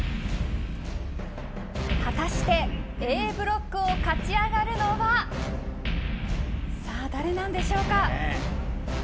果たしてＡブロックを勝ち上がるのは誰なんでしょうか。